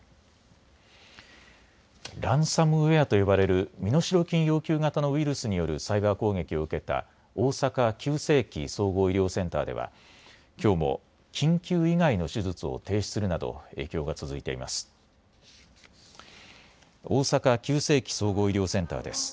ランサムウエアと呼ばれる身代金要求型のウイルスによるサイバー攻撃を受けた大阪急性期・総合医療センターではきょうも緊急以外の手術を停止するなど影響が続いています。